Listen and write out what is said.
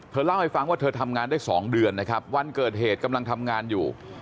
เล่าให้ฟังว่าเธอทำงานได้๒เดือนนะครับวันเกิดเหตุกำลังทำงานอยู่